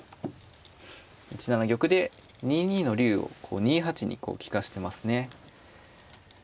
１七玉で２二の竜を２八に利かしてますね。